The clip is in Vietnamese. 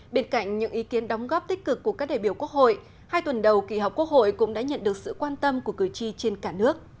bên cạnh những ý kiến đóng góp tích cực của các đại biểu quốc hội hai tuần đầu kỳ họp quốc hội cũng đã nhận được sự quan tâm của cử tri trên cả nước